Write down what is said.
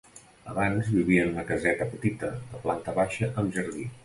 Abans vivia en una caseta petita de planta baixa amb jardí.